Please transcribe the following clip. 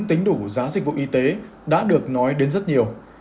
tính đủ giá dịch vụ y tế đã được nói đến rất nhiều